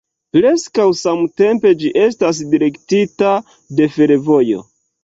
Preskaŭ samtempe ĝi estas direktita de fervojo.